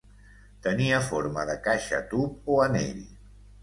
Tenien forma de caixa tub o anell.